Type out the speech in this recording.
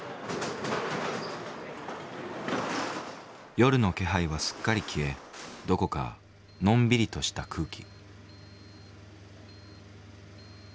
夜の気配はすっかり消えどこかのんびりとした空気。